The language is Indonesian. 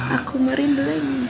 aku merindu lagi